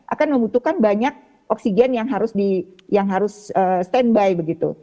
akan membutuhkan banyak oksigen yang harus di yang harus standby begitu